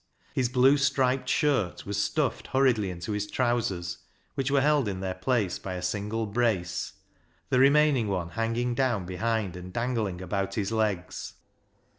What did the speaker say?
His blue striped shirt was stuffed hurriedly into his trousers, which were held in their place by a single brace, the remaining one hanging down behind and dangling about his legs.